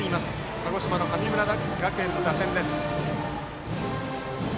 鹿児島の神村学園の打線です。